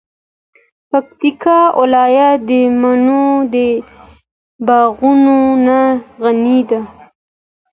پکتیکا ولایت د مڼو د باغونو نه غنی ده.